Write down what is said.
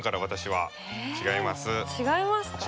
違いますか？